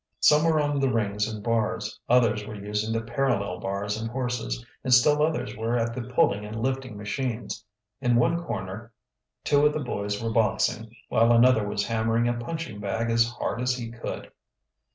Some were on the rings and bars, others were using the parallel bars and horses, and still others were at the pulling and lifting machines. In one corner two of the boys were boxing, while another was hammering a punching bag as hard as he could.